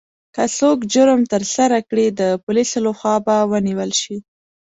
که څوک جرم ترسره کړي، د پولیسو لخوا به ونیول شي.